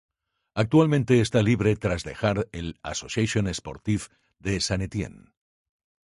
Actualmente está libre tras dejar el Association Sportive de Saint-Étienne.